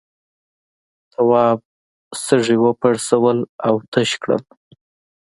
تواب سږي وپرسول او تش کړل.